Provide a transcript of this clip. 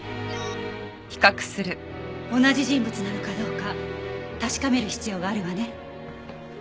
同じ人物なのかどうか確かめる必要があるわね。